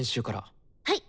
はい！